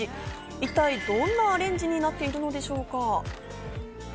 一体どんなアレンジになっているんでしょうか？